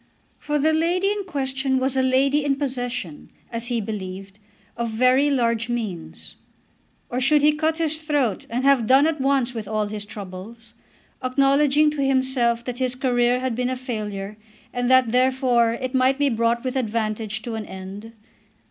For the lady in question was a lady in possession, as he believed, of very large means. Or should he cut his throat and have done at once with all his troubles, acknowledging to himself that his career had been a failure, and that, therefore, it might be brought with advantage to an end?